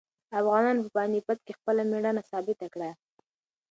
افغانانو په پاني پت کې خپله مېړانه ثابته کړه.